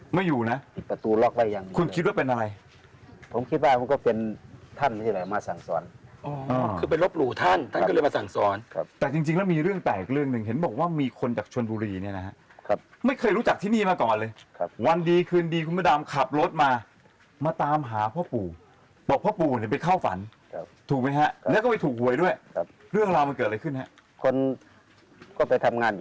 ไม่อยู่นะคุณคิดว่าเป็นอะไรบ๊วยบ๊วยบ๊วยบ๊วยบ๊วยบ๊วยบ๊วยบ๊วยบ๊วยบ๊วยบ๊วยบ๊วยบ๊วยบ๊วยบ๊วยบ๊วยบ๊วยบ๊วยบ๊วยบ๊วยบ๊วยบ๊วยบ๊วยบ๊วยบ๊วยบ๊วยบ๊วยบ๊วยบ๊วยบ๊วยบ๊วยบ๊วยบ๊วยบ๊วยบ๊วยบ๊วย